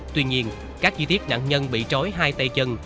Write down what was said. tuy nhiên các chi tiết nạn nhân bị trói hai tay chân